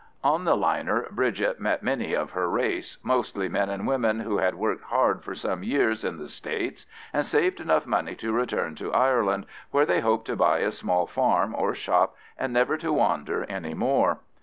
On the liner, Bridget met many of her race, mostly men and women who had worked hard for some years in the States and saved enough money to return to Ireland, where they hoped to buy a small farm or shop and never to wander any more.